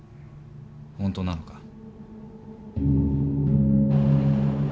本当なのか？